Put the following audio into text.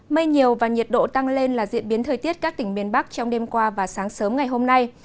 mây nhiều và nhiệt độ tăng lên là diễn biến thời tiết các tỉnh miền bắc trong đêm qua và sáng sớm ngày hôm nay